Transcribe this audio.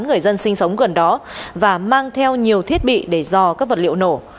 người dân sinh sống gần đó và mang theo nhiều thiết bị để dò các vật liệu nổ